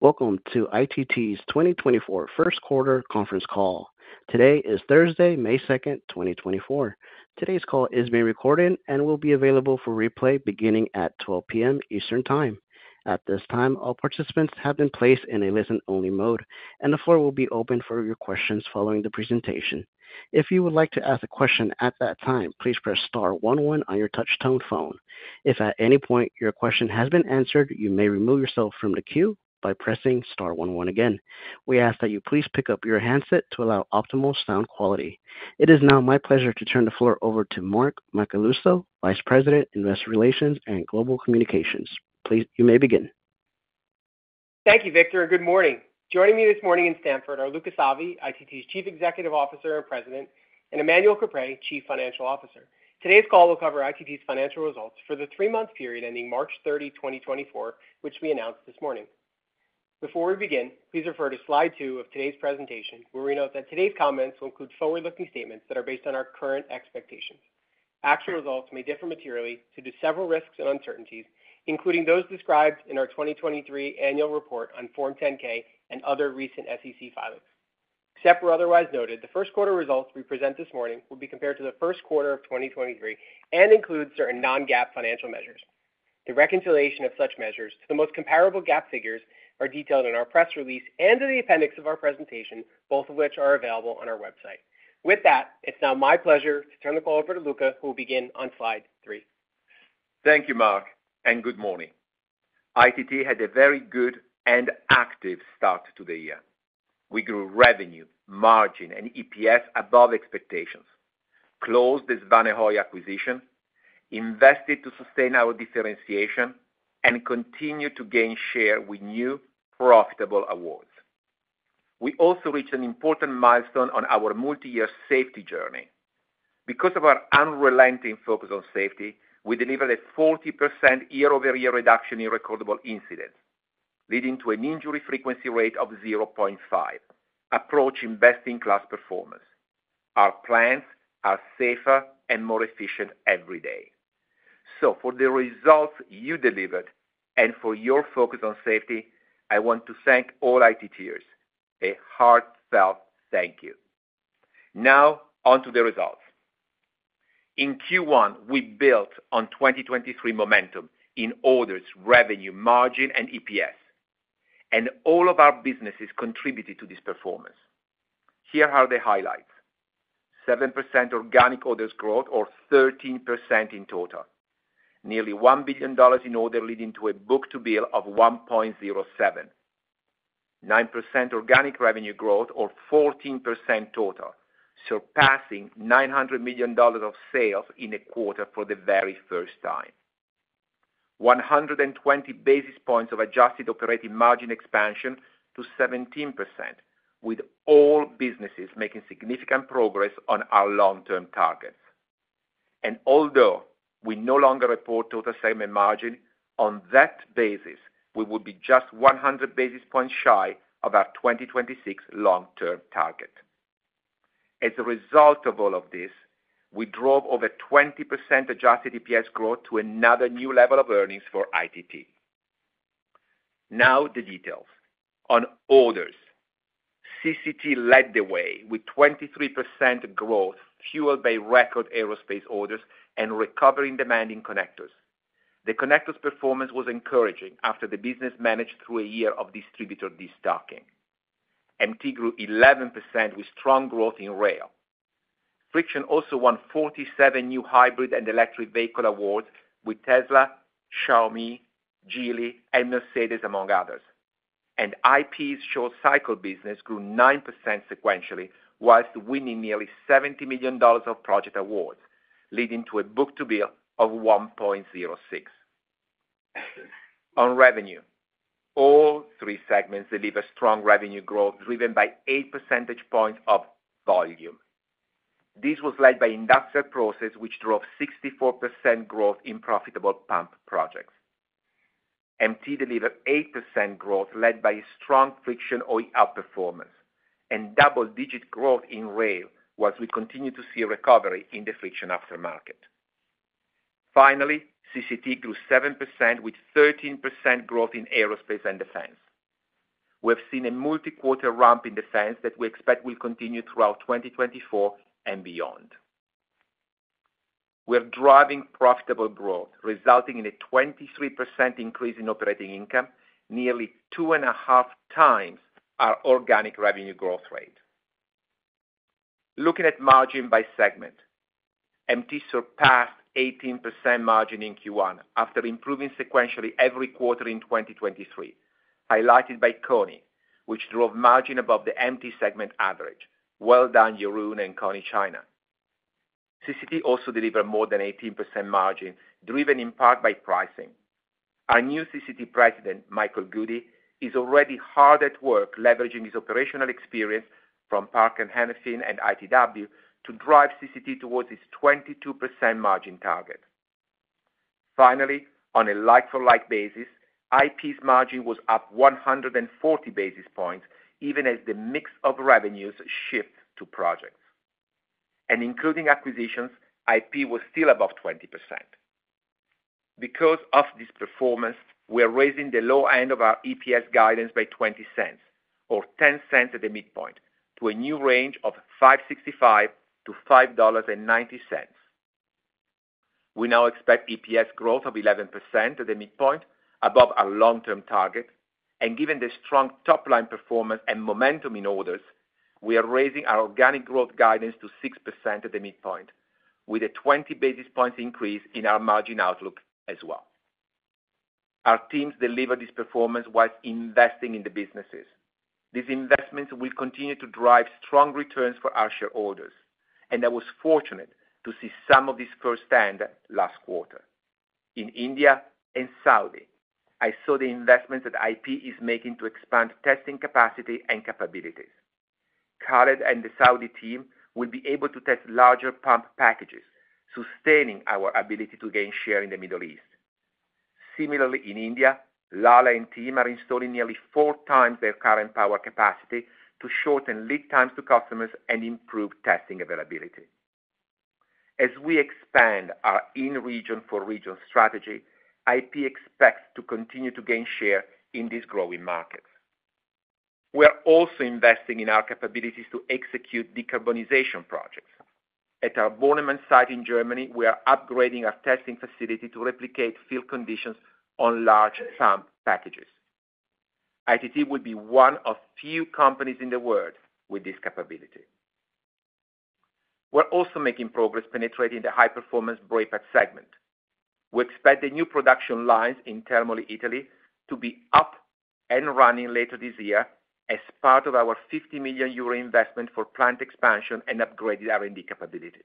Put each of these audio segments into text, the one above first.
Welcome to ITT's 2024 first quarter conference call. Today is Thursday, May 2nd, 2024. Today's call is being recorded and will be available for replay beginning at 12:00 P.M. Eastern Time. At this time, all participants have been placed in a listen-only mode, and the floor will be open for your questions following the presentation. If you would like to ask a question at that time, please press star one one on your touch-tone phone. If at any point your question has been answered, you may remove yourself from the queue by pressing star one one again. We ask that you please pick up your handset to allow optimal sound quality. It is now my pleasure to turn the floor over to Mark Macaluso, Vice President, Investor Relations and Global Communications. Please, you may begin. Thank you, Victor, and good morning. Joining me this morning in Stamford are Luca Savi, ITT's Chief Executive Officer and President, and Emmanuel Caprais, Chief Financial Officer. Today's call will cover ITT's financial results for the three-month period ending March 30, 2024, which we announced this morning. Before we begin, please refer to slide two of today's presentation, where we note that today's comments will include forward-looking statements that are based on our current expectations. Actual results may differ materially due to several risks and uncertainties, including those described in our 2023 annual report on Form 10-K and other recent SEC filings. Except where otherwise noted, the first quarter results we present this morning will be compared to the first quarter of 2023 and include certain non-GAAP financial measures. The reconciliation of such measures to the most comparable GAAP figures are detailed in our press release and in the appendix of our presentation, both of which are available on our website. With that, it's now my pleasure to turn the call over to Luca, who will begin on slide three. Thank you, Mark, and good morning. ITT had a very good and active start to the year. We grew revenue, margin, and EPS above expectations, closed the Svanehøj acquisition, invested to sustain our differentiation, and continued to gain share with new profitable awards. We also reached an important milestone on our multi-year safety journey. Because of our unrelenting focus on safety, we delivered a 40% year-over-year reduction in recordable incidents, leading to an injury frequency rate of 0.5, approaching best-in-class performance. Our plants are safer and more efficient every day. So for the results you delivered and for your focus on safety, I want to thank all ITTers. A heartfelt thank you. Now, on to the results. In Q1, we built on 2023 momentum in orders, revenue, margin, and EPS, and all of our businesses contributed to this performance. Here are the highlights: 7% organic orders growth or 13% in total. Nearly $1 billion in orders, leading to a book-to-bill of 1.07. 9% organic revenue growth or 14% total, surpassing $900 million of sales in a quarter for the very first time. 120 basis points of adjusted operating margin expansion to 17%, with all businesses making significant progress on our long-term targets. Although we no longer report total segment margin, on that basis, we would be just 100 basis points shy of our 2026 long-term target. As a result of all of this, we drove over 20% adjusted EPS growth to another new level of earnings for ITT. Now, the details. On orders, CCT led the way with 23% growth, fueled by record aerospace orders and recovering demand in connectors. The connectors performance was encouraging after the business managed through a year of distributor destocking. MT grew 11% with strong growth in rail. Friction also won 47 new hybrid and electric vehicle awards with Tesla, Xiaomi, Geely, and Mercedes, among others. IP's short-cycle business grew 9% sequentially, while winning nearly $70 million of project awards, leading to a book-to-bill of 1.06. On revenue, all three segments deliver strong revenue growth, driven by 8 percentage points of volume. This was led by Industrial Process, which drove 64% growth in profitable pump projects. MT delivered 8% growth, led by strong Friction OE outperformance and double-digit growth in rail, while we continue to see a recovery in the Friction aftermarket. Finally, CCT grew 7%, with 13% growth in aerospace and defense. We have seen a multi-quarter ramp in defense that we expect will continue throughout 2024 and beyond. We are driving profitable growth, resulting in a 23% increase in operating income, nearly 2.5x our organic revenue growth rate. Looking at margin by segment, MT surpassed 18% margin in Q1 after improving sequentially every quarter in 2023, highlighted by KONI, which drove margin above the MT segment average. Well done, Jeroen and KONI China. CCT also delivered more than 18% margin, driven in part by pricing. Our new CCT president, Michael Guhde, is already hard at work leveraging his operational experience from Parker Hannifin and ITW to drive CCT towards its 22% margin target. Finally, on a like-for-like basis, IP's margin was up 140 basis points, even as the mix of revenues shift to projects.... Including acquisitions, IP was still above 20%. Because of this performance, we are raising the low end of our EPS guidance by $0.20, or $0.10 at the midpoint, to a new range of $5.65-$5.90. We now expect EPS growth of 11% at the midpoint, above our long-term target, and given the strong top-line performance and momentum in orders, we are raising our organic growth guidance to 6% at the midpoint, with a 20 basis points increase in our margin outlook as well. Our teams delivered this performance while investing in the businesses. These investments will continue to drive strong returns for our shareholders, and I was fortunate to see some of this firsthand last quarter. In India and Saudi, I saw the investments that IP is making to expand testing capacity and capabilities. Khaled and the Saudi team will be able to test larger pump packages, sustaining our ability to gain share in the Middle East. Similarly, in India, Lalit and team are installing nearly four times their current power capacity to shorten lead times to customers and improve testing availability. As we expand our in-region for regional strategy, IP expects to continue to gain share in these growing markets. We are also investing in our capabilities to execute decarbonization projects. At our Bornemann site in Germany, we are upgrading our testing facility to replicate field conditions on large pump packages. ITT will be one of few companies in the world with this capability. We're also making progress penetrating the high-performance brake pad segment. We expect the new production lines in Termoli, Italy, to be up and running later this year as part of our 50 million euro investment for plant expansion and upgraded R&D capabilities.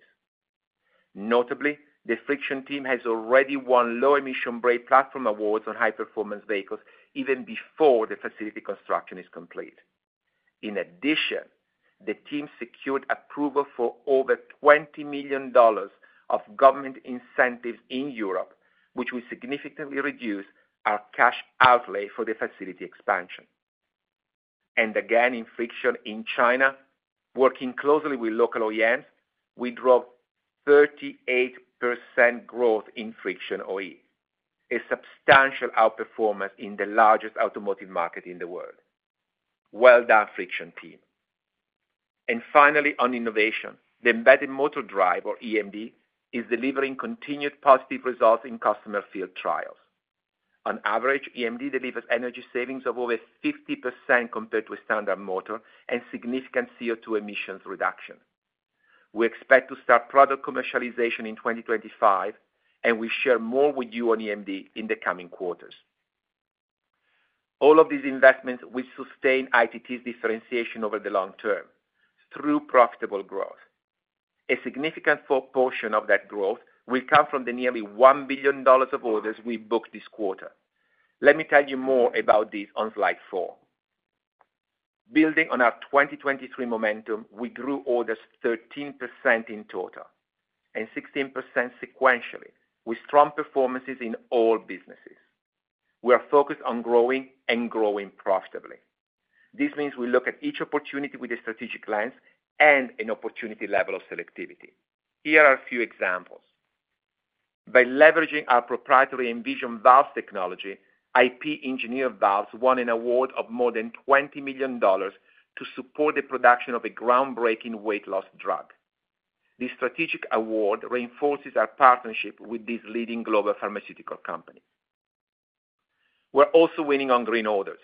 Notably, the Friction team has already won low-emission brake platform awards on high-performance vehicles even before the facility construction is complete. In addition, the team secured approval for over $20 million of government incentives in Europe, which will significantly reduce our cash outlay for the facility expansion. And again, in Friction in China, working closely with local OEMs, we drove 38% growth in Friction OE, a substantial outperformance in the largest automotive market in the world. Well done, Friction team. And finally, on innovation, the embedded motor drive, or EMD, is delivering continued positive results in customer field trials. On average, EMD delivers energy savings of over 50% compared to a standard motor and significant CO2 emissions reduction. We expect to start product commercialization in 2025, and we share more with you on EMD in the coming quarters. All of these investments will sustain ITT's differentiation over the long term through profitable growth. A significant proportion of that growth will come from the nearly $1 billion of orders we booked this quarter. Let me tell you more about this on slide four. Building on our 2023 momentum, we grew orders 13% in total and 16% sequentially, with strong performances in all businesses. We are focused on growing and growing profitably. This means we look at each opportunity with a strategic lens and an opportunity level of selectivity. Here are a few examples: By leveraging our proprietary EnviZion valves technology, IP engineered valves won an award of more than $20 million to support the production of a groundbreaking weight loss drug. This strategic award reinforces our partnership with this leading global pharmaceutical company. We're also winning on green orders,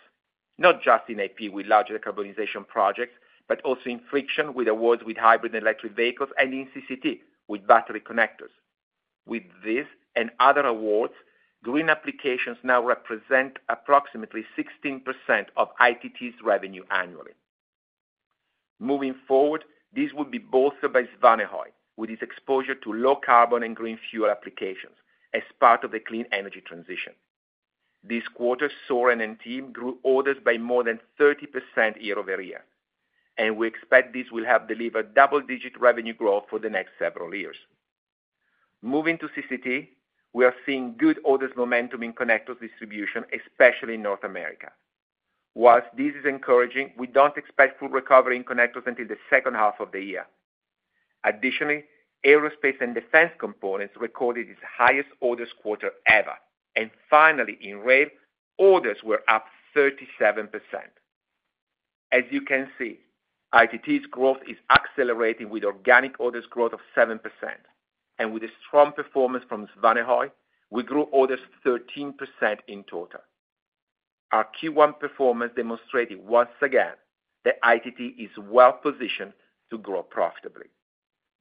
not just in IP with large decarbonization projects, but also in Friction with awards with hybrid electric vehicles and in CCT with battery connectors. With this and other awards, green applications now represent approximately 16% of ITT's revenue annually. Moving forward, this will be bolstered by Svanehøj, with its exposure to low carbon and green fuel applications as part of the clean energy transition. This quarter, Søren and team grew orders by more than 30% year-over-year, and we expect this will help deliver double-digit revenue growth for the next several years. Moving to CCT, we are seeing good orders momentum in connectors distribution, especially in North America. While this is encouraging, we don't expect full recovery in connectors until the second half of the year. Additionally, aerospace and defense components recorded its highest orders quarter ever. And finally, in IP, orders were up 37%. As you can see, ITT's growth is accelerating, with organic orders growth of 7%. And with a strong performance from Svanehøj, we grew orders 13% in total. Our Q1 performance demonstrated once again that ITT is well positioned to grow profitably.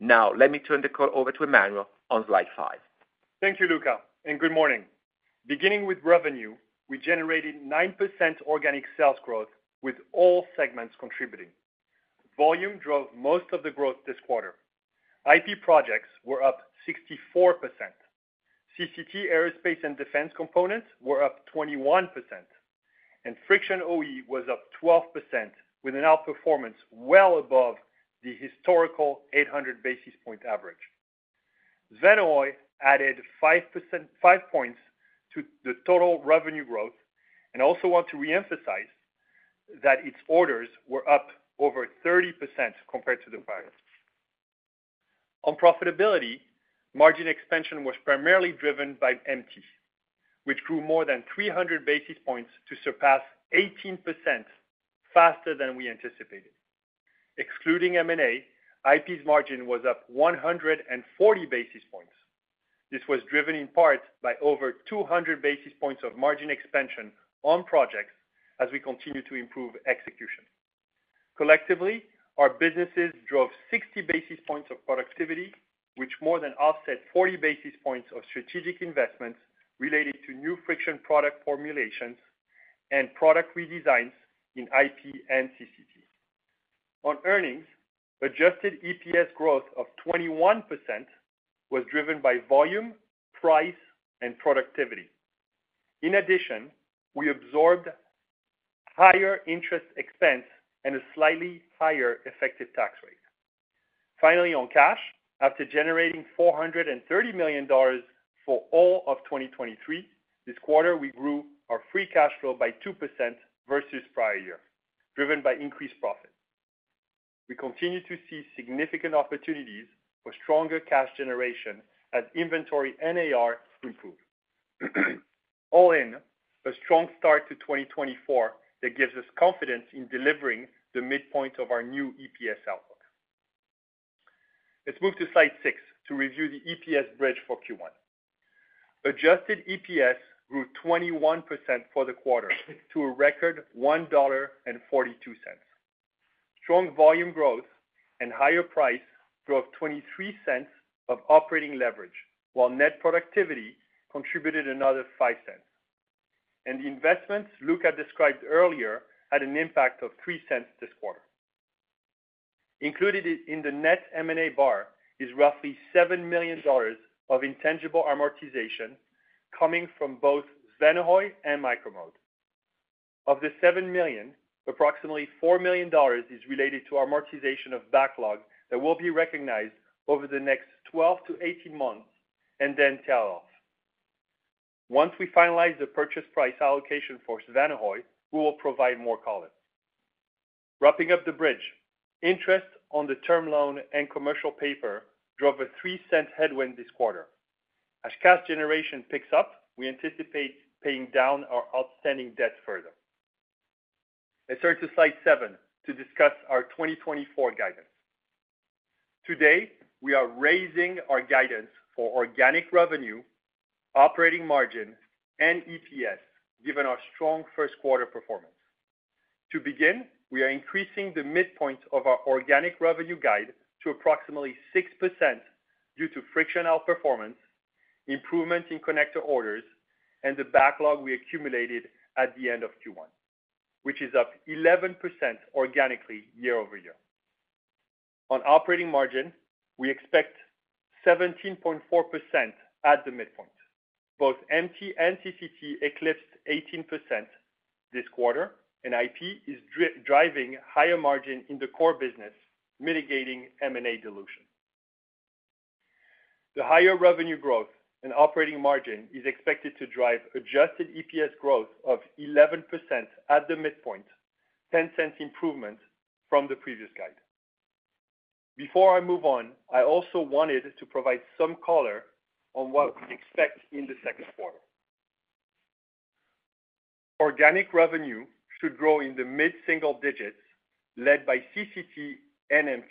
Now, let me turn the call over to Emmanuel on slide five. Thank you, Luca, and good morning. Beginning with revenue, we generated 9% organic sales growth with all segments contributing. Volume drove most of the growth this quarter. IP projects were up 64%. CCT aerospace and defense components were up 21%, and Friction OE was up 12% with an outperformance well above the historical 800 basis point average.... Svanehøj added 5%, 5 points to the total revenue growth, and I also want to reemphasize that its orders were up over 30% compared to the prior. On profitability, margin expansion was primarily driven by MT, which grew more than 300 basis points to surpass 18% faster than we anticipated. Excluding M&A, IP's margin was up 140 basis points. This was driven in part by over 200 basis points of margin expansion on projects as we continue to improve execution. Collectively, our businesses drove 60 basis points of productivity, which more than offset 40 basis points of strategic investments related to new Friction product formulations and product redesigns in IP and CCT. On earnings, adjusted EPS growth of 21% was driven by volume, price, and productivity. In addition, we absorbed higher interest expense and a slightly higher effective tax rate. Finally, on cash, after generating $430 million for all of 2023, this quarter we grew our free cash flow by 2% versus prior year, driven by increased profit. We continue to see significant opportunities for stronger cash generation as inventory and AR improve. All in, a strong start to 2024 that gives us confidence in delivering the midpoint of our new EPS outlook. Let's move to slide six to review the EPS bridge for Q1. Adjusted EPS grew 21% for the quarter to a record $1.42. Strong volume growth and higher price drove $0.23 of operating leverage, while net productivity contributed another $0.05. The investments Luca described earlier had an impact of $0.03 this quarter. Included in the net M&A bar is roughly $7 million of intangible amortization coming from both Svanehøj and Micro-Mode. Of the $7 million, approximately $4 million is related to amortization of backlog that will be recognized over the next 12-18 months and then tail off. Once we finalize the purchase price allocation for Svanehøj, we will provide more color. Wrapping up the bridge, interest on the term loan and commercial paper drove a $0.03 headwind this quarter. As cash generation picks up, we anticipate paying down our outstanding debt further. Let's turn to slide seven to discuss our 2024 guidance. Today, we are raising our guidance for organic revenue, operating margin, and EPS, given our strong first quarter performance. To begin, we are increasing the midpoint of our organic revenue guide to approximately 6% due to Friction performance, improvement in connector orders, and the backlog we accumulated at the end of Q1, which is up 11% organically year-over-year. On operating margin, we expect 17.4% at the midpoint. Both MT and CCT eclipsed 18% this quarter, and IP is driving higher margin in the core business, mitigating M&A dilution. The higher revenue growth and operating margin is expected to drive adjusted EPS growth of 11% at the midpoint, $0.10 improvement from the previous guide. Before I move on, I also wanted to provide some color on what to expect in the second quarter. Organic revenue should grow in the mid-single digits, led by CCT and MT,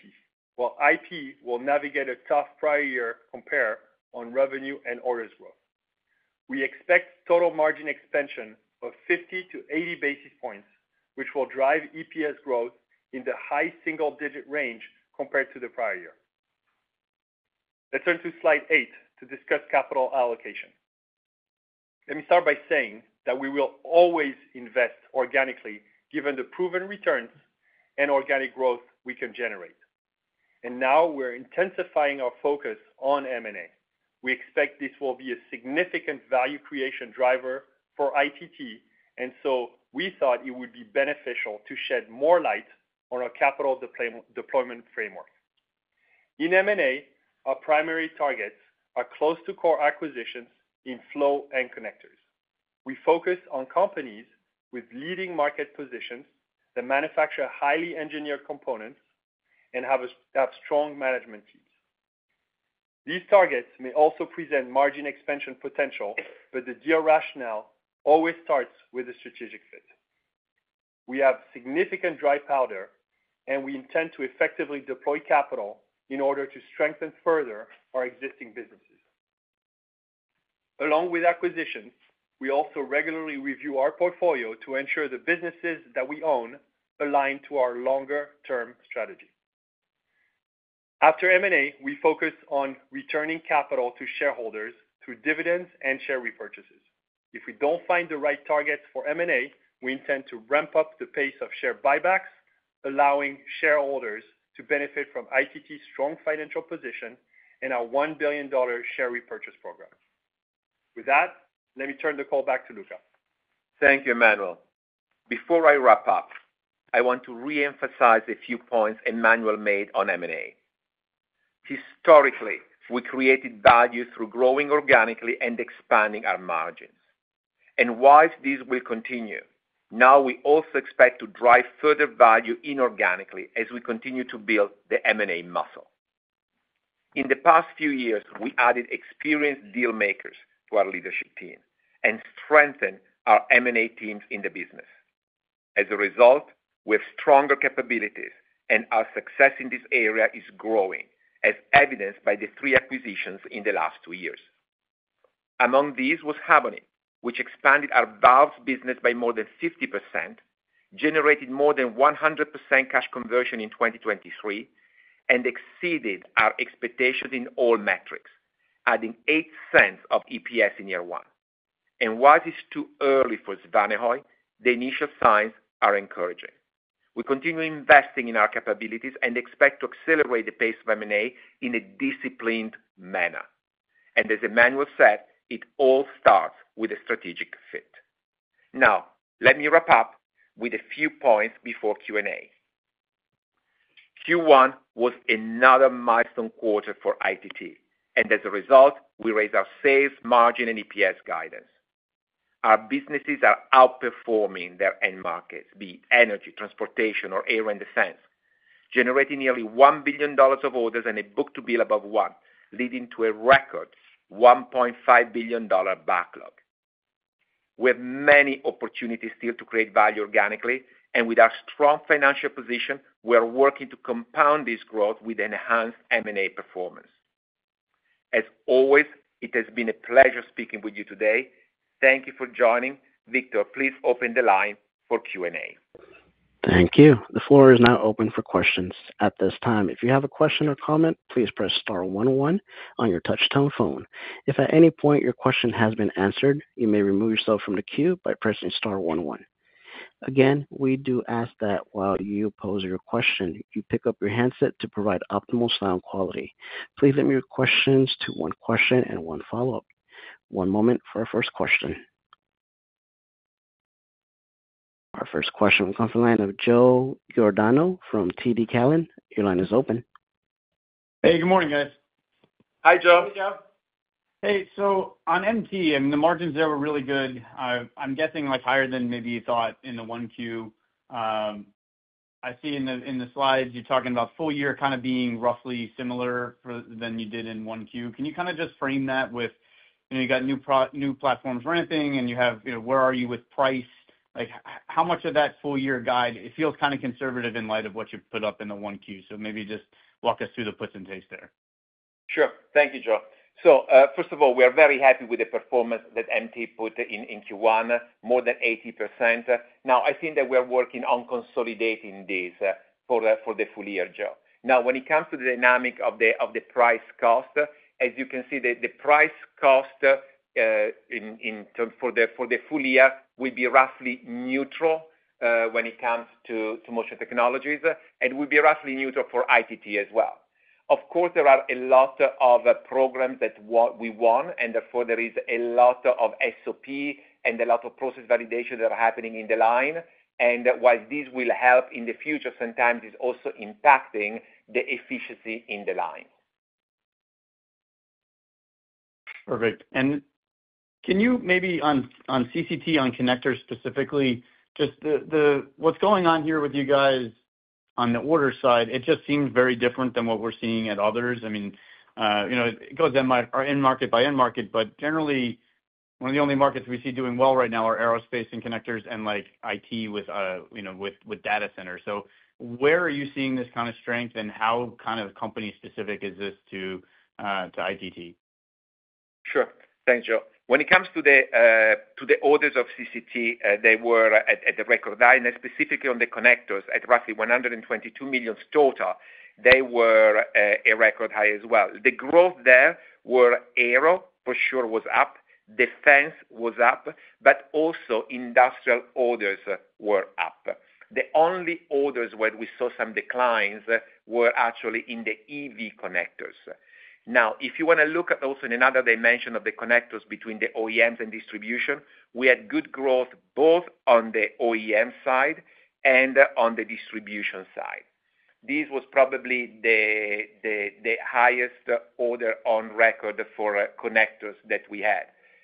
while IP will navigate a tough prior year compare on revenue and orders growth. We expect total margin expansion of 50-80 basis points, which will drive EPS growth in the high single-digit range compared to the prior year. Let's turn to slide eight to discuss capital allocation. Let me start by saying that we will always invest organically, given the proven returns and organic growth we can generate. And now we're intensifying our focus on M&A. We expect this will be a significant value creation driver for ITT, and so we thought it would be beneficial to shed more light on our capital deployment framework. In M&A, our primary targets are close to core acquisitions in flow and connectors. We focus on companies with leading market positions, that manufacture highly engineered components and have strong management teams. These targets may also present margin expansion potential, but the deal rationale always starts with a strategic fit. We have significant dry powder, and we intend to effectively deploy capital in order to strengthen further our existing businesses. Along with acquisitions, we also regularly review our portfolio to ensure the businesses that we own align to our longer-term strategy. After M&A, we focus on returning capital to shareholders through dividends and share repurchases. If we don't find the right targets for M&A, we intend to ramp up the pace of share buybacks, allowing shareholders to benefit from ITT's strong financial position and our $1 billion share repurchase program.... With that, let me turn the call back to Luca. Thank you, Emmanuel. Before I wrap up, I want to reemphasize a few points Emmanuel made on M&A. Historically, we created value through growing organically and expanding our margins. And while this will continue, now we also expect to drive further value inorganically as we continue to build the M&A muscle. In the past few years, we added experienced deal makers to our leadership team and strengthened our M&A teams in the business. As a result, we have stronger capabilities, and our success in this area is growing, as evidenced by the three acquisitions in the last two years. Among these was Habonit, which expanded our Valves business by more than 50%, generated more than 100% cash conversion in 2023, and exceeded our expectations in all metrics, adding $0.08 of EPS in year one. And while it's too early for Svanehøj, the initial signs are encouraging. We continue investing in our capabilities and expect to accelerate the pace of M&A in a disciplined manner. And as Emmanuel said, it all starts with a strategic fit. Now, let me wrap up with a few points before Q&A. Q1 was another milestone quarter for ITT, and as a result, we raised our sales, margin, and EPS guidance. Our businesses are outperforming their end markets, be it energy, transportation, or air and defense, generating nearly $1 billion of orders and a book-to-bill above one, leading to a record $1.5 billion backlog. We have many opportunities still to create value organically, and with our strong financial position, we are working to compound this growth with enhanced M&A performance. As always, it has been a pleasure speaking with you today. Thank you for joining. Victor, please open the line for Q&A. Thank you. The floor is now open for questions at this time. If you have a question or comment, please press star one one on your touch-tone phone. If at any point your question has been answered, you may remove yourself from the queue by pressing star one one. Again, we do ask that while you pose your question, you pick up your handset to provide optimal sound quality. Please limit your questions to one question and one follow-up. One moment for our first question. Our first question will come from the line of Joe Giordano from TD Cowen. Your line is open. Hey, good morning, guys. Hi, Joe. Hey, Joe. Hey, so on MT, I mean, the margins there were really good. I'm guessing, like, higher than maybe you thought in the 1Q. I see in the slides you're talking about full year kind of being roughly similar for- than you did in 1Q. Can you kind of just frame that with, you know, you got new platforms ramping, and you have, you know, where are you with price? Like, how much of that full-year guide, it feels kind of conservative in light of what you've put up in the 1Q. So maybe just walk us through the puts and takes there. Sure. Thank you, Joe. So, first of all, we are very happy with the performance that MT put in, in Q1, more than 80%. Now, I think that we are working on consolidating this, for the full year, Joe. Now, when it comes to the dynamic of the price cost, as you can see, the price cost in for the full year will be roughly neutral, when it comes to Motion Technologies, and will be roughly neutral for ITT as well. Of course, there are a lot of programs that what we won, and therefore there is a lot of SOP and a lot of process validation that are happening in the line. And while this will help in the future, sometimes it's also impacting the efficiency in the line. Perfect. And can you maybe on, on CCT, on connectors specifically, just the -- what's going on here with you guys on the order side? It just seems very different than what we're seeing at others. I mean, you know, it goes end market, or end market by end market, but generally, one of the only markets we see doing well right now are aerospace and connectors and, like, IT with, you know, with, with data centers. So where are you seeing this kind of strength, and how kind of company specific is this to, to ITT? Sure. Thanks, Joe. When it comes to the orders of CCT, they were at the record high, and specifically on the connectors, at roughly $122 million total, they were a record high as well. The growth there were aero, for sure, was up, defense was up, but also industrial orders were up. The only orders where we saw some declines were actually in the EV connectors. Now, if you want to look at also another dimension of the connectors between the OEMs and distribution, we had good growth both on the OEM side and on the distribution side. This was probably the highest order on record for connectors that we had.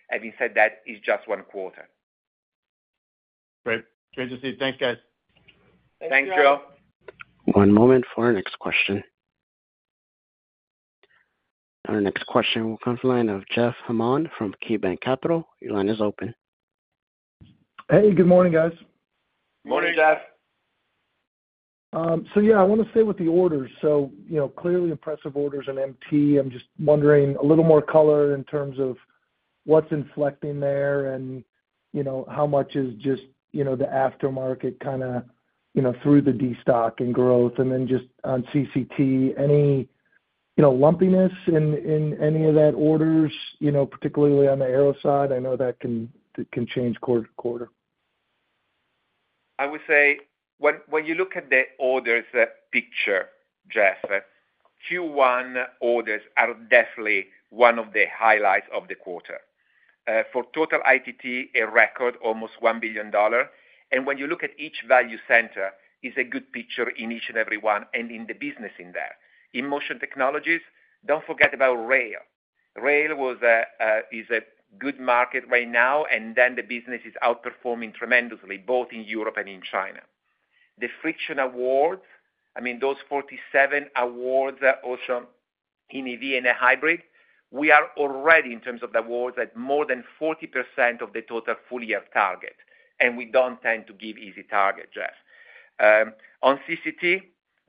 Having said that, it's just one quarter. Great. Great to see you. Thanks, guys. Thanks, Joe. One moment for our next question. Our next question will come from the line of Jeff Hammond from KeyBanc Capital. Your line is open. Hey, good morning, guys. Morning, Jeff. So yeah, I want to stay with the orders. So, you know, clearly impressive orders on MT. I'm just wondering, a little more color in terms of what's inflecting there and, you know, how much is just, you know, the aftermarket kind of, you know, through the destock and growth. And then just on CCT, any, you know, lumpiness in any of that orders, you know, particularly on the aero side? I know that can change quarter to quarter.... I would say when you look at the orders picture, Jeff, Q1 orders are definitely one of the highlights of the quarter. For total ITT, a record, almost $1 billion. And when you look at each value center, it's a good picture in each and every one, and in the business in there. In Motion Technologies, don't forget about rail. Rail is a good market right now, and then the business is outperforming tremendously, both in Europe and in China. The Friction awards, I mean, those 47 awards are also in EV and a hybrid. We are already, in terms of the awards, at more than 40% of the total full-year target, and we don't tend to give easy target, Jeff. On CCT,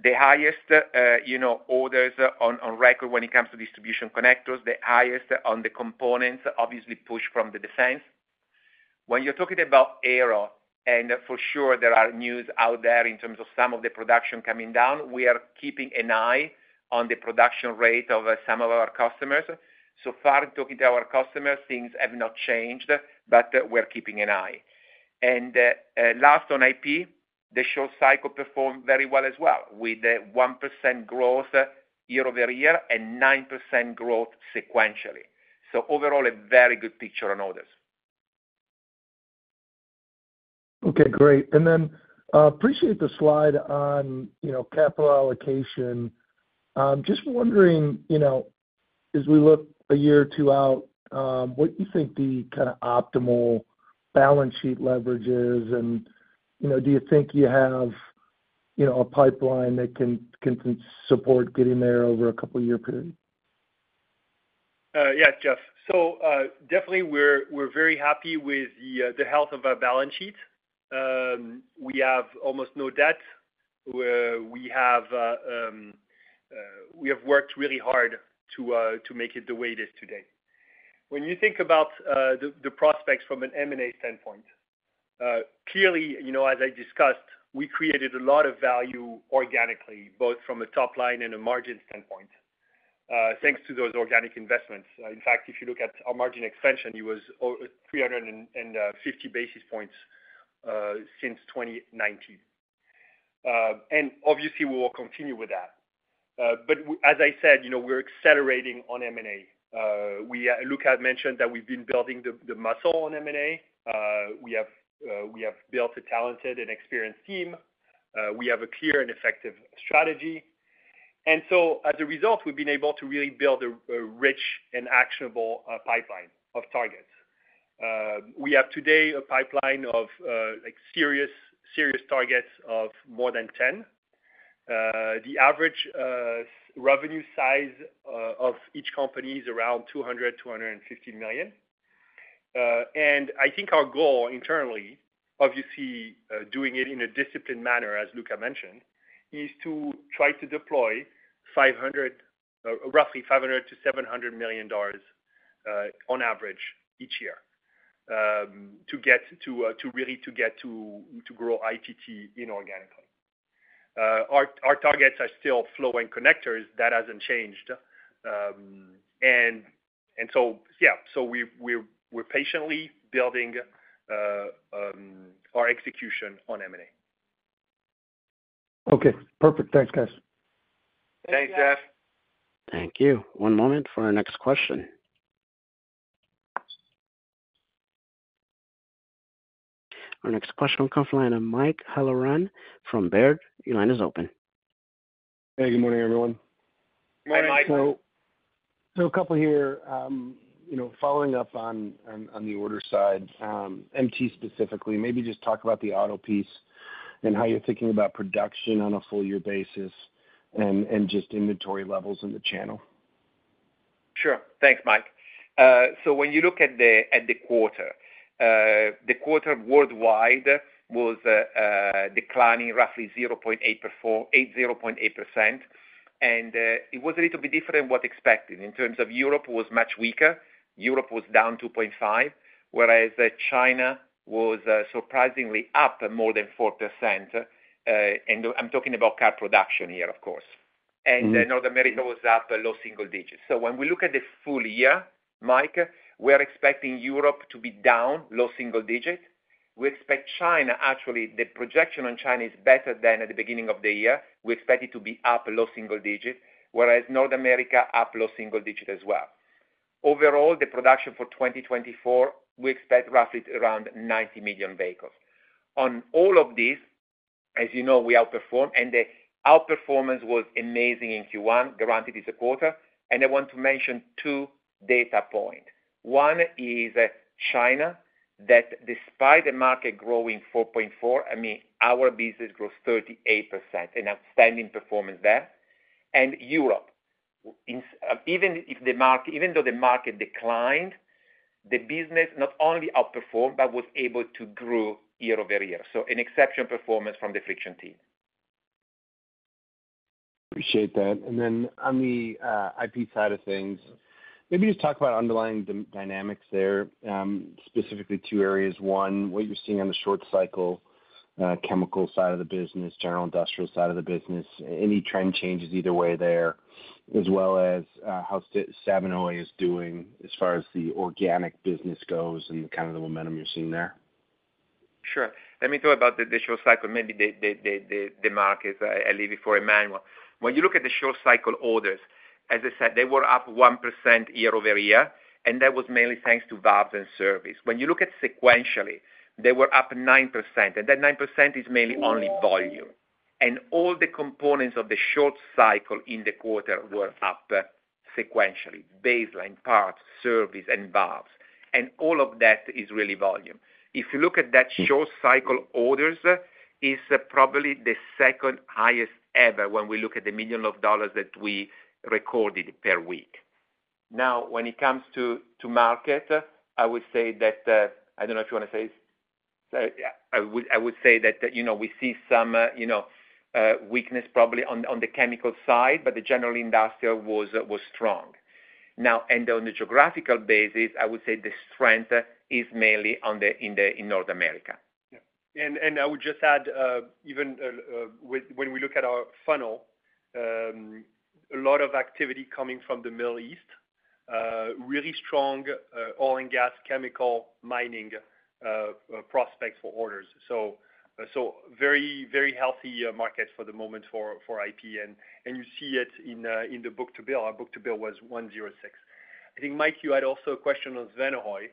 the highest, you know, orders on record when it comes to distribution connectors, the highest on the components, obviously pushed from the defense. When you're talking about Aero, and for sure there are news out there in terms of some of the production coming down, we are keeping an eye on the production rate of some of our customers. So far, talking to our customers, things have not changed, but we're keeping an eye. Last on IP, the short cycle performed very well as well, with a 1% growth year-over-year and 9% growth sequentially. So overall, a very good picture on orders. Okay, great. And then, appreciate the slide on, you know, capital allocation. Just wondering, you know, as we look a year or two out, what you think the kinda optimal balance sheet leverage is, and, you know, do you think you have, you know, a pipeline that can, can support getting there over a couple of year period? Yeah, Jeff. So, definitely, we're very happy with the health of our balance sheet. We have almost no debt. We have worked really hard to make it the way it is today. When you think about the prospects from an M&A standpoint, clearly, you know, as I discussed, we created a lot of value organically, both from a top line and a margin standpoint, thanks to those organic investments. In fact, if you look at our margin expansion, it was 350 basis points since 2019. And obviously, we will continue with that. But as I said, you know, we're accelerating on M&A. Luca had mentioned that we've been building the muscle on M&A. We have built a talented and experienced team. We have a clear and effective strategy. And so as a result, we've been able to really build a rich and actionable pipeline of targets. We have today a pipeline of like serious targets of more than 10. The average revenue size of each company is around $200 million-$250 million. And I think our goal internally, obviously, doing it in a disciplined manner, as Luca mentioned, is to try to deploy roughly $500 million-$700 million on average each year to really grow ITT inorganically. Our targets are still flow and connectors. That hasn't changed. So we're patiently building our execution on M&A. Okay, perfect. Thanks, guys. Thanks, Jeff. Thank you. Thank you. One moment for our next question. Our next question comes from the line of Mike Halloran from Baird. Your line is open. Hey, good morning, everyone. Hi, Mike. So, a couple here. You know, following up on the order side, MT specifically, maybe just talk about the auto piece and how you're thinking about production on a full year basis and just inventory levels in the channel. Sure. Thanks, Mike. So when you look at the, at the quarter, the quarter worldwide was declining roughly 0.8%. And it was a little bit different than what expected. In terms of Europe, was much weaker. Europe was down 2.5%, whereas China was surprisingly up more than 4%. And I'm talking about car production here, of course. Mm-hmm. North America was up a low single digits. So when we look at the full year, Mike, we're expecting Europe to be down, low single digits. We expect China, actually, the projection on China is better than at the beginning of the year. We expect it to be up low single digits, whereas North America, up low single digits as well. Overall, the production for 2024, we expect roughly around 90 million vehicles. On all of this, as you know, we outperformed, and the outperformance was amazing in Q1, granted it's a quarter. And I want to mention two data point. One is China, that despite the market growing 4.4, I mean, our business grows 38%, an outstanding performance there. Europe, even though the market declined, the business not only outperformed, but was able to grow year-over-year. So an exceptional performance from the Friction team. Appreciate that. And then on the IP side of things, maybe just talk about underlying dynamics there, specifically two areas. One, what you're seeing on the short cycle chemical side of the business, general industrial side of the business, any trend changes either way there, as well as how Svanehøj is doing as far as the organic business goes and kind of the momentum you're seeing there?... Sure. Let me talk about the short cycle, maybe the market. I leave it for Emmanuel. When you look at the short cycle orders, as I said, they were up 1% year-over-year, and that was mainly thanks to valves and service. When you look at sequentially, they were up 9%, and that 9% is mainly only volume. And all the components of the short cycle in the quarter were up sequentially, baseline, parts, service, and valves, and all of that is really volume. If you look at that short cycle orders, is probably the second highest ever when we look at the millions of dollars that we recorded per week. Now, when it comes to market, I would say that, yeah, I would say that, you know, we see some, you know, weakness probably on the chemical side, but the general industrial was strong. Now, on the geographical basis, I would say the strength is mainly in North America. Yeah. And I would just add, even with when we look at our funnel, a lot of activity coming from the Middle East, really strong oil and gas, chemical, mining prospects for orders. So very healthy market for the moment for IP. And you see it in the book-to-bill. Our book-to-bill was 1.06. I think, Mike, you had also a question on Svanehøj.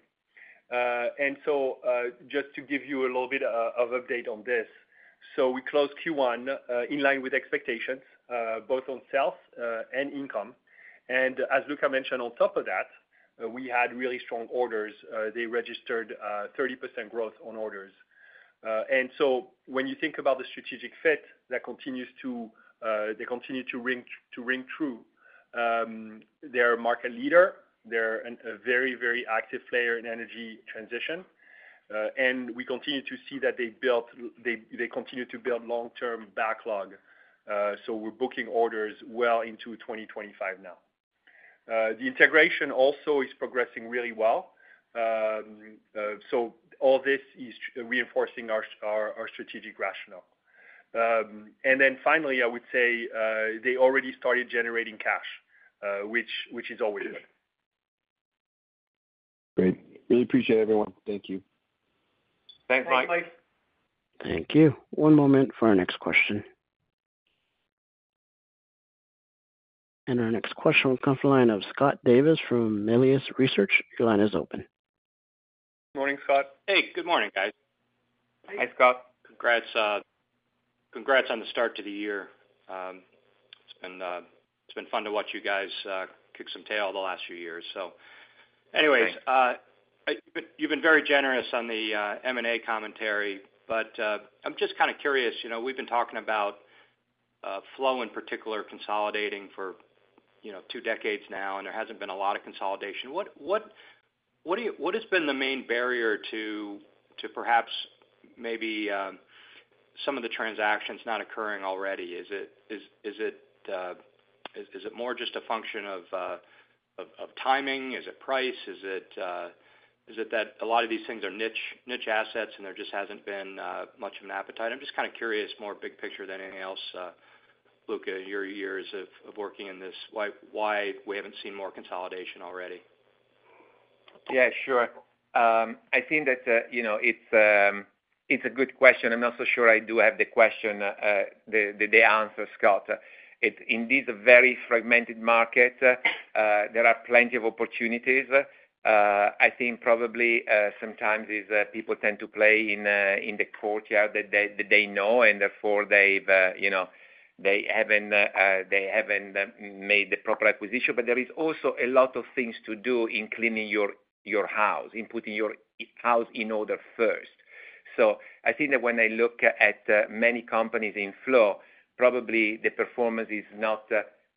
And so just to give you a little bit of update on this. So we closed Q1 in line with expectations both on sales and income. And as Luca mentioned, on top of that, we had really strong orders. They registered 30% growth on orders. And so when you think about the strategic fit, that continues to, they continue to ring, to ring true. They're a market leader, they're an, a very, very active player in energy transition, and we continue to see that they, they continue to build long-term backlog, so we're booking orders well into 2025 now. The integration also is progressing really well. So all this is reinforcing our, our strategic rationale. And then finally, I would say, they already started generating cash, which, which is always good. Great. Really appreciate it, everyone. Thank you. Thanks, Mike. Thanks, Mike. Thank you. One moment for our next question. Our next question will come from the line of Scott Davis, from Melius Research. Your line is open. Morning, Scott. Hey, good morning, guys. Hi, Scott. Congrats, congrats on the start to the year. It's been, it's been fun to watch you guys, kick some tail the last few years. So anyways, Thanks. You've been very generous on the M&A commentary, but I'm just kind of curious, you know, we've been talking about flow in particular, consolidating for, you know, two decades now, and there hasn't been a lot of consolidation. What has been the main barrier to perhaps maybe some of the transactions not occurring already? Is it more just a function of timing? Is it price? Is it that a lot of these things are niche assets, and there just hasn't been much of an appetite? I'm just kind of curious, more big picture than anything else, Luca, in your years of working in this, why we haven't seen more consolidation already? Yeah, sure. I think that, you know, it's a good question. I'm not so sure I do have the question, the answer, Scott. It's indeed a very fragmented market. There are plenty of opportunities. I think probably, sometimes these people tend to play in the courtyard that they know, and therefore they've, you know, they haven't made the proper acquisition. But there is also a lot of things to do in cleaning your house, in putting your house in order first. So I think that when I look at many companies in flow, probably the performance is not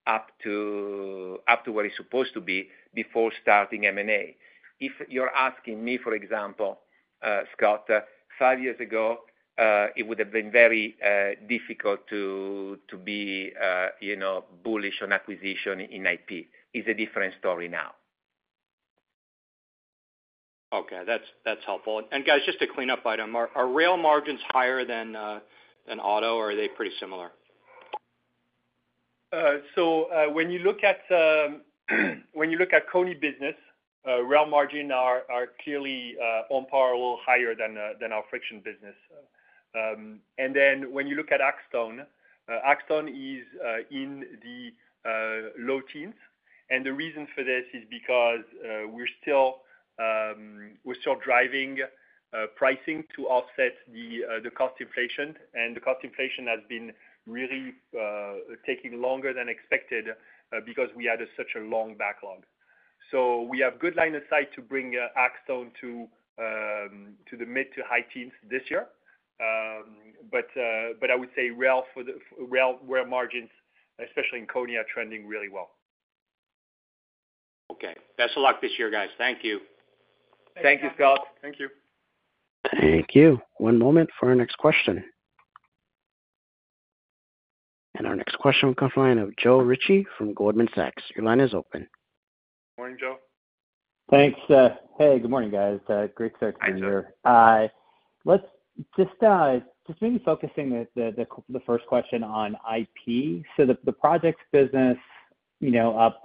up to what it's supposed to be before starting M&A. If you're asking me, for example, Scott, five years ago, it would have been very difficult to be, you know, bullish on acquisition in IP. It's a different story now. Okay. That's helpful. And guys, just to clean up item, are rail margins higher than auto, or are they pretty similar? So, when you look at KONI business, rail margins are clearly on par, a little higher than our Friction business. And then when you look at Axtone, Axtone is in the low teens. And the reason for this is because we're still driving pricing to offset the cost inflation, and the cost inflation has been really taking longer than expected, because we had such a long backlog. So we have good line of sight to bring Axtone to the mid to high teens this year. But I would say rail margins, especially in KONI, are trending really well. Okay. Best of luck this year, guys. Thank you. Thank you, Scott. Thank you. Thank you. One moment for our next question. And our next question will come from the line of Joe Ritchie from Goldman Sachs. Your line is open. Morning, Joe. Thanks. Hey, good morning, guys. Great start to the year. Hi, Joe. Let's just maybe focusing the first question on IP. So the projects business, you know, up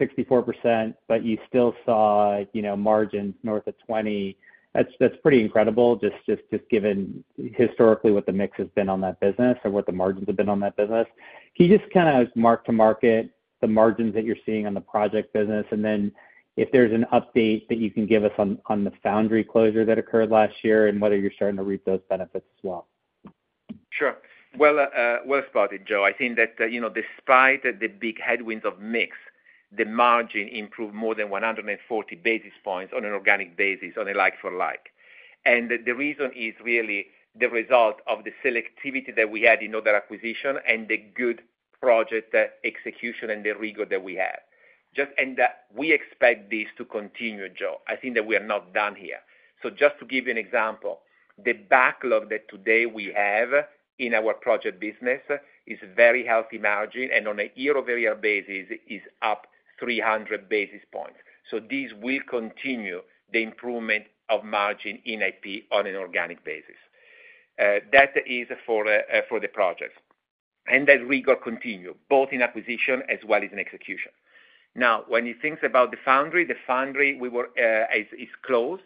64%, but you still saw, you know, margins north of 20%. That's pretty incredible, just given historically what the mix has been on that business or what the margins have been on that business. Can you just kinda mark-to-market the margins that you're seeing on the project business? And then if there's an update that you can give us on the foundry closure that occurred last year and whether you're starting to reap those benefits as well. Sure. Well, well spotted, Joe. I think that, you know, despite the big headwinds of mix, the margin improved more than 140 basis points on an organic basis, on a like-for-like. And the, the reason is really the result of the selectivity that we had in other acquisition and the good project, execution and the rigor that we have. Just, and, we expect this to continue, Joe. I think that we are not done here. So just to give you an example, the backlog that today we have in our project business is very healthy margin, and on a year-over-year basis is up 300 basis points. So this will continue the improvement of margin in IP on an organic basis. That is for, for the project. And that rigor continue both in acquisition as well as in execution. Now, when you think about the foundry, the foundry is closed.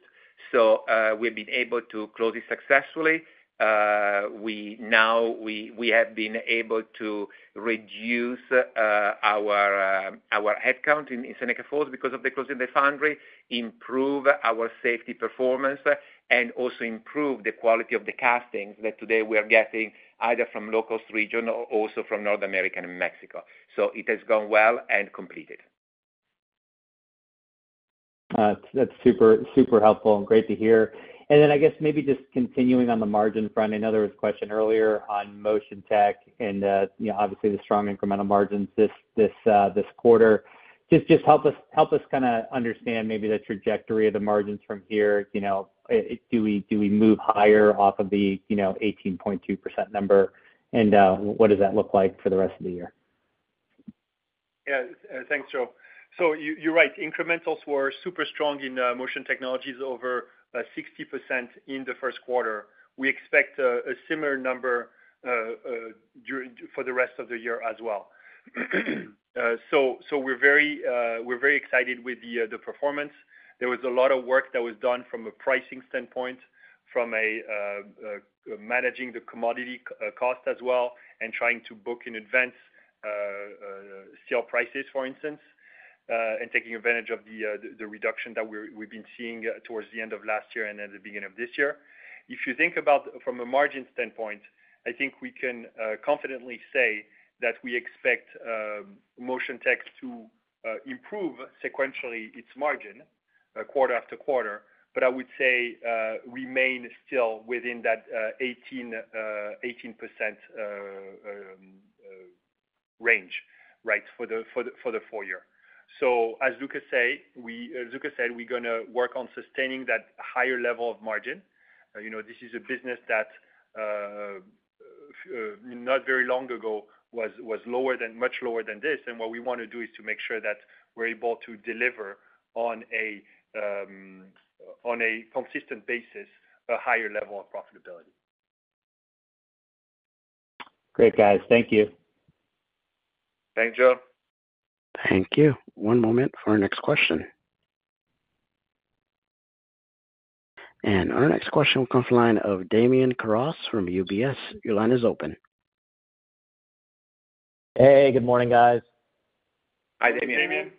So, we've been able to close it successfully. We now have been able to reduce our headcount in Seneca Falls because of the closing of the foundry, improve our safety performance, and also improve the quality of the castings that today we are getting, either from low-cost region or also from North America and Mexico. So it has gone well and completed. That's super, super helpful and great to hear. Then I guess maybe just continuing on the margin front, I know there was a question earlier on Motion Tech and, you know, obviously the strong incremental margins this quarter. Just help us kinda understand maybe the trajectory of the margins from here. You know, do we move higher off of the, you know, 18.2% number? And, what does that look like for the rest of the year? Yeah, thanks, Joe. So you're right. Incrementals were super strong in Motion Technologies, over 60% in the first quarter. We expect a similar number for the rest of the year as well. So we're very excited with the performance. There was a lot of work that was done from a pricing standpoint, from managing the commodity cost as well, and trying to book in advance steel prices, for instance, and taking advantage of the reduction that we've been seeing towards the end of last year and at the beginning of this year. If you think about from a margin standpoint, I think we can confidently say that we expect Motion Tech to improve sequentially its margin quarter after quarter, but I would say remain still within that 18%-18% range, right, for the full year. So as Luca say, we-- as Luca said, we're gonna work on sustaining that higher level of margin. You know, this is a business that not very long ago was much lower than this. And what we wanna do is to make sure that we're able to deliver on a consistent basis, a higher level of profitability. Great, guys. Thank you. Thanks, Joe. Thank you. One moment for our next question. Our next question comes from the line of Damian Karas from UBS. Your line is open. Hey, good morning, guys. Hi, Damian. Damian.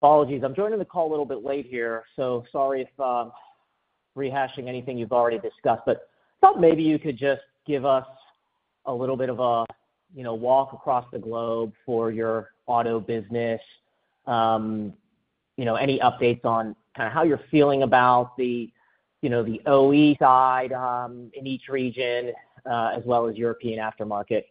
Apologies, I'm joining the call a little bit late here, so sorry if I'm rehashing anything you've already discussed, but thought maybe you could just give us a little bit of a, you know, walk across the globe for your auto business. You know, any updates on kinda how you're feeling about the, you know, the OE side, in each region, as well as European aftermarket?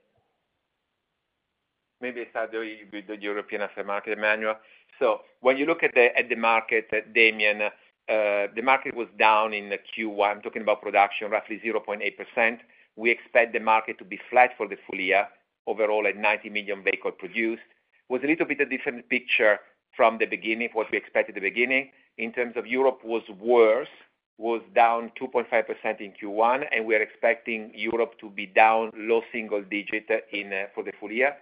Maybe I'll start with the European aftermarket, Emmanuel. So when you look at the, at the market, Damian, the market was down in the Q1. I'm talking about production, roughly 0.8%. We expect the market to be flat for the full year, overall, at 90 million vehicles produced. Was a little bit a different picture from the beginning, what we expect at the beginning. In terms of Europe was worse, was down 2.5% in Q1, and we are expecting Europe to be down low single digits in for the full year.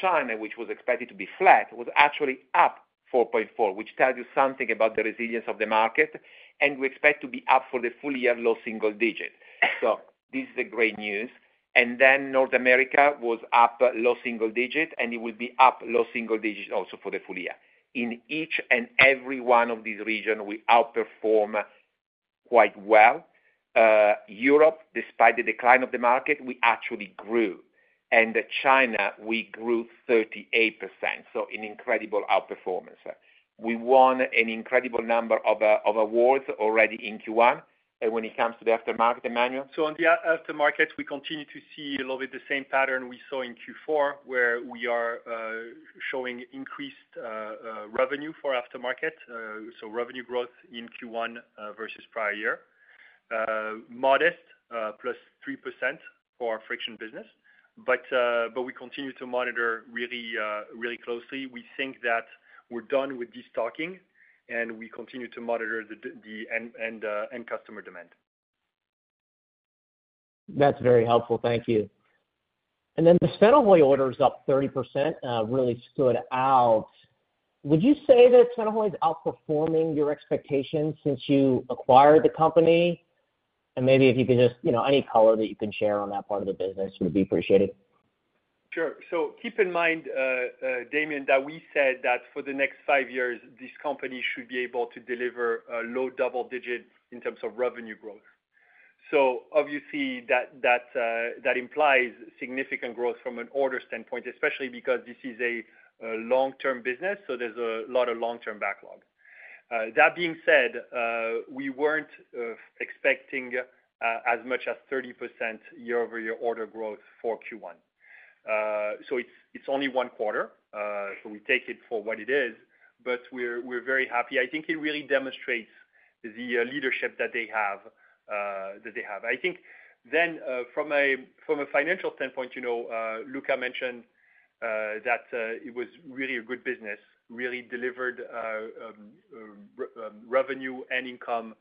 China, which was expected to be flat, was actually up 4.4, which tells you something about the resilience of the market, and we expect to be up for the full year, low single digits. So this is the great news. And then North America was up low single digits, and it will be up low single digits also for the full year. In each and every one of these region, we outperform quite well. Europe, despite the decline of the market, we actually grew. And China, we grew 38%, so an incredible outperformance. We won an incredible number of of awards already in Q1, and when it comes to the aftermarket, Emmanuel? So on the aftermarket, we continue to see a little bit the same pattern we saw in Q4, where we are showing increased revenue for aftermarket. So revenue growth in Q1 versus prior year. Modest +3% for our Friction business. But we continue to monitor really closely. We think that we're done with destocking, and we continue to monitor the end and end customer demand.... That's very helpful. Thank you. And then the Svanehøj orders up 30%, really stood out. Would you say that Svanehøj is outperforming your expectations since you acquired the company? And maybe if you could just, you know, any color that you can share on that part of the business would be appreciated. Sure. So keep in mind, Damian, that we said that for the next five years, this company should be able to deliver a low double-digit in terms of revenue growth. So obviously, that implies significant growth from an order standpoint, especially because this is a long-term business, so there's a lot of long-term backlog. That being said, we weren't expecting as much as 30% year-over-year order growth for Q1. So it's only one quarter, so we take it for what it is, but we're very happy. I think it really demonstrates the leadership that they have. I think then, from a financial standpoint, you know, Luca mentioned that it was really a good business. Really delivered revenue and income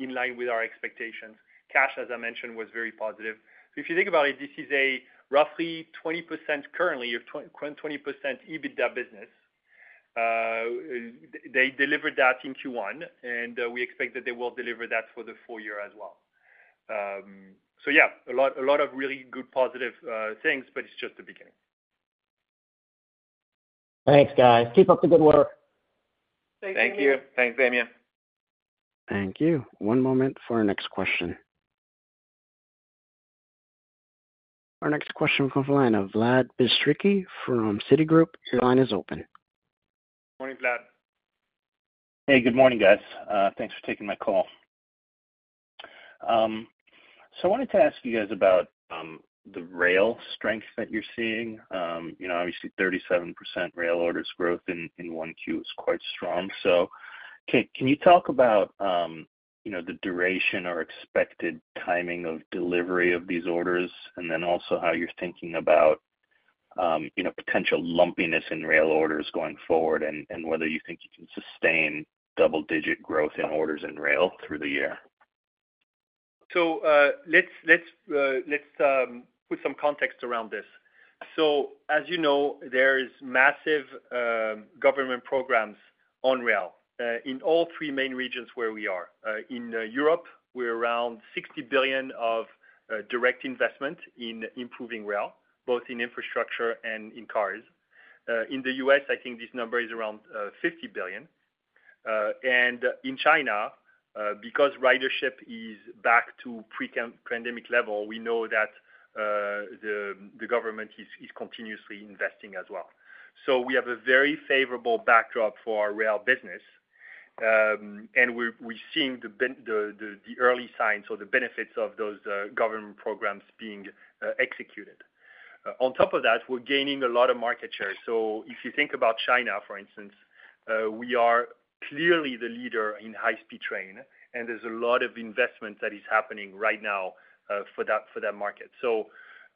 in line with our expectations. Cash, as I mentioned, was very positive. So if you think about it, this is a roughly 20% currently, or 20% EBITDA business. They delivered that in Q1, and we expect that they will deliver that for the full year as well. So yeah, a lot, a lot of really good positive things, but it's just the beginning. Thanks, guys. Keep up the good work. Thank you. Thanks, Damian. Thank you. One moment for our next question. Our next question comes from the line of Vlad Bystricky from Citigroup. Your line is open. Morning, Vlad. Hey, good morning, guys. Thanks for taking my call. So I wanted to ask you guys about the rail strength that you're seeing. You know, obviously, 37% rail orders growth in 1Q is quite strong. So can you talk about you know, the duration or expected timing of delivery of these orders, and then also how you're thinking about you know, potential lumpiness in rail orders going forward, and whether you think you can sustain double-digit growth in orders in rail through the year? So, let's put some context around this. So, as you know, there is massive government programs on rail in all three main regions where we are. In Europe, we're around $60 billion of direct investment in improving rail, both in infrastructure and in cars. In the U.S., I think this number is around $50 billion. And in China, because ridership is back to pre-pandemic level, we know that the government is continuously investing as well. So we have a very favorable backdrop for our rail business, and we're seeing the early signs or the benefits of those government programs being executed. On top of that, we're gaining a lot of market share. So if you think about China, for instance, we are clearly the leader in high-speed train, and there's a lot of investment that is happening right now, for that, for that market. So,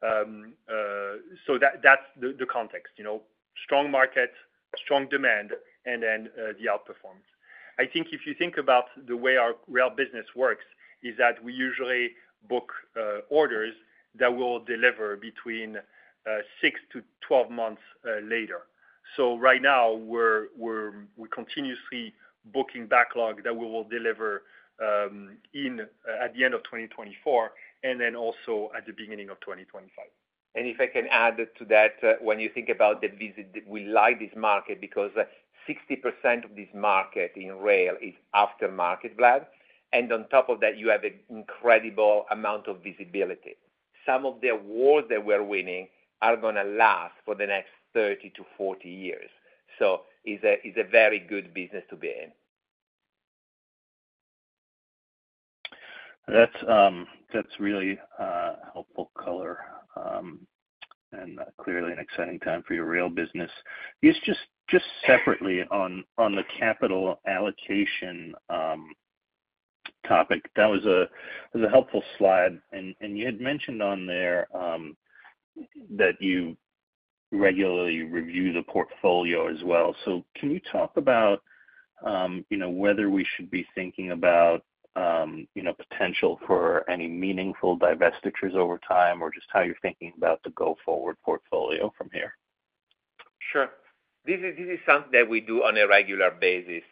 so that's the context, you know, strong market, strong demand, and then, the outperformance. I think if you think about the way our rail business works, is that we usually book orders that will deliver between 6-12 months later. So right now we're continuously booking backlog that we will deliver in at the end of 2024, and then also at the beginning of 2025. If I can add to that, when you think about the visit, we like this market because 60% of this market in rail is aftermarket, Vlad, and on top of that, you have an incredible amount of visibility. Some of the awards that we're winning are gonna last for the next 30-40 years. So it's a, it's a very good business to be in. That's really helpful color, and clearly an exciting time for your rail business. Just separately on the capital allocation topic, that was a helpful slide. And you had mentioned on there that you regularly review the portfolio as well. So can you talk about, you know, whether we should be thinking about, you know, potential for any meaningful divestitures over time, or just how you're thinking about the go-forward portfolio from here? Sure. This is, this is something that we do on a regular basis,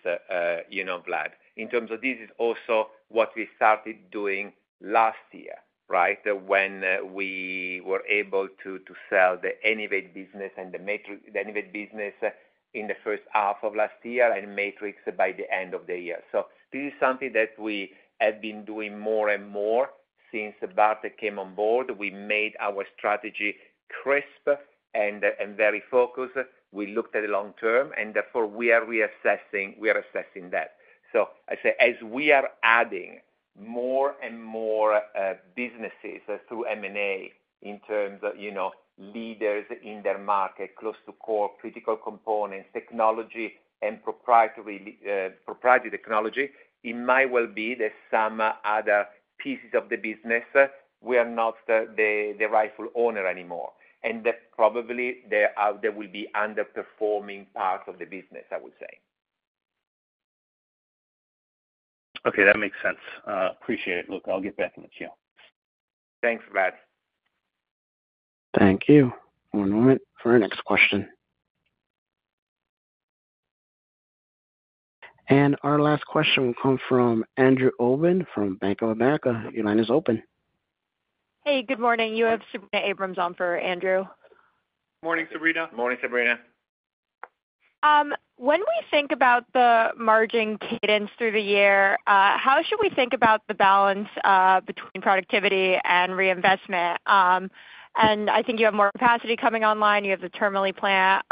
you know, Vlad. In terms of this is also what we started doing last year, right? When we were able to, to sell the [Inanco] business and the Matrix, the [Inanco] business in the first half of last year, and Matrix by the end of the year. So this is something that we have been doing more and more since Bart came on board. We made our strategy crisp and, and very focused. We looked at the long term, and therefore we are reassessing, we are assessing that. So I say, as we are adding more and more businesses through M&A in terms of, you know, leaders in their market, close to core, critical components, technology and proprietary technology, it might well be that some other pieces of the business, we are not the rightful owner anymore, and that probably there will be underperforming parts of the business, I would say.... Okay, that makes sense. Appreciate it. Look, I'll get back in the queue. Thanks, Vlad. Thank you. One moment for our next question. Our last question will come from Andrew Obin from Bank of America. Your line is open. Hey, good morning. You have Sabrina Abrams on for Andrew. Morning, Sabrina. Morning, Sabrina. When we think about the margin cadence through the year, how should we think about the balance between productivity and reinvestment? And I think you have more capacity coming online. You have the Termoli plant.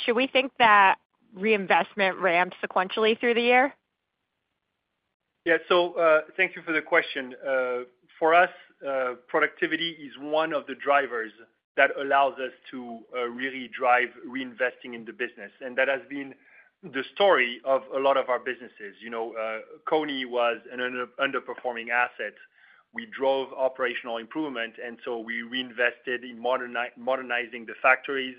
Should we think that reinvestment ramps sequentially through the year? Yeah. So, thank you for the question. For us, productivity is one of the drivers that allows us to really drive reinvesting in the business. And that has been the story of a lot of our businesses. You know, KONI was an underperforming asset. We drove operational improvement, and so we reinvested in modernizing the factories,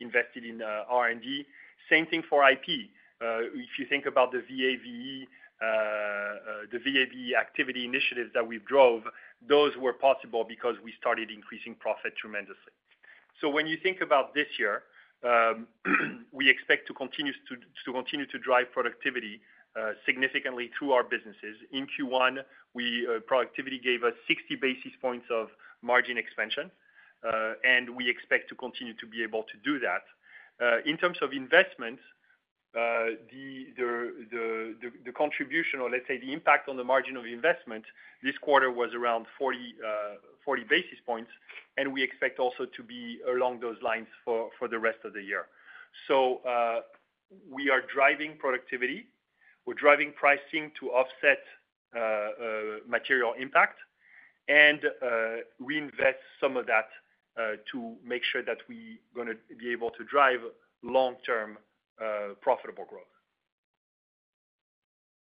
invested in R&D. Same thing for IP. If you think about the VAVE, the VAVE activity initiatives that we drove, those were possible because we started increasing profit tremendously. So when you think about this year, we expect to continue to drive productivity significantly through our businesses. In Q1, productivity gave us 60 basis points of margin expansion, and we expect to continue to be able to do that. In terms of investment, the contribution or let's say, the impact on the margin of investment this quarter was around 40 basis points, and we expect also to be along those lines for the rest of the year. So, we are driving productivity, we're driving pricing to offset material impact, and reinvest some of that to make sure that we gonna be able to drive long-term profitable growth.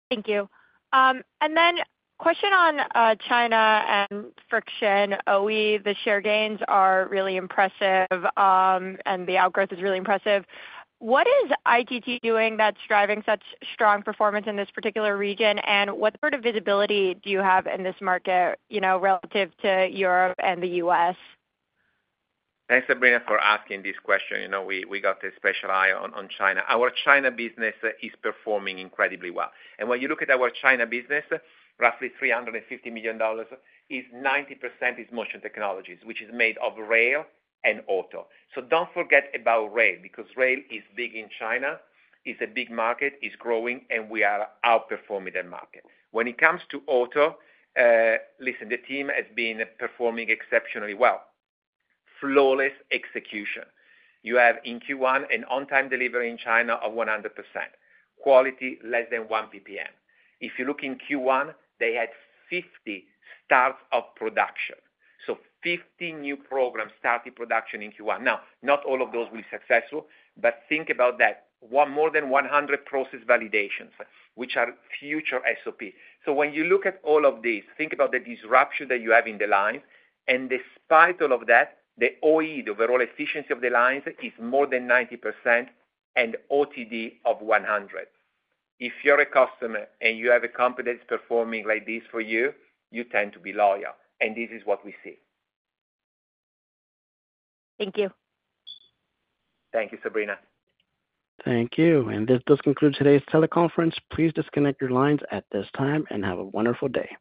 Thank you. And then question on China and Friction OE, the share gains are really impressive, and the outgrowth is really impressive. What is ITT doing that's driving such strong performance in this particular region, and what sort of visibility do you have in this market, you know, relative to Europe and the U.S.? Thanks, Sabrina, for asking this question. You know, we got a special eye on China. Our China business is performing incredibly well. And when you look at our China business, roughly $350 million is 90% is Motion Technologies, which is made of rail and auto. So don't forget about rail, because rail is big in China, it's a big market, it's growing, and we are outperforming that market. When it comes to auto, listen, the team has been performing exceptionally well. Flawless execution. You have in Q1 an on-time delivery in China of 100%, quality less than one PPM. If you look in Q1, they had 50 starts of production. So 50 new programs started production in Q1. Now, not all of those were successful, but think about that, one more than 100 process validations, which are future SOP. So when you look at all of this, think about the disruption that you have in the line, and despite all of that, the OEE, the overall efficiency of the lines is more than 90% and OTD of 100. If you're a customer and you have a company that's performing like this for you, you tend to be loyal, and this is what we see. Thank you. Thank you, Sabrina. Thank you. And this does conclude today's teleconference. Please disconnect your lines at this time and have a wonderful day.